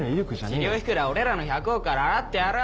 治療費くらい俺らの１００億から払ってやらぁ